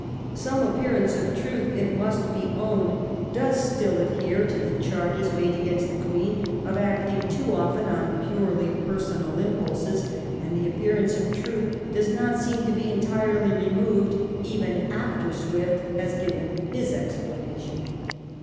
Some appearance of truth, it must be owned, does still adhere to the charges made against the Queen of acting too often on purely per sonal impulses, and the appearance of truth does not seem to be entirely removed even after Swift has given his explanation.